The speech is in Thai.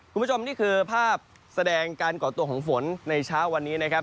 คุณผู้ชมนี่คือภาพแสดงการก่อตัวของฝนในเช้าวันนี้นะครับ